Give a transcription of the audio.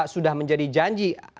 sudah menjadi janji